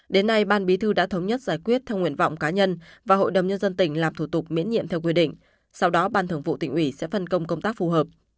đến nay ban bí thư đã thống nhất giải quyết theo nguyện vọng cá nhân và hội đồng nhân dân tỉnh làm thủ tục miễn nhiệm theo quy định sau đó ban thường vụ tỉnh ủy sẽ phân công công tác phù hợp